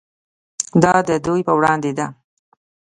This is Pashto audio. دا د دوی په وړاندې ده.